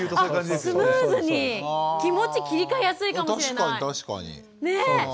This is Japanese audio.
気持ち切り替えやすいかもしれない。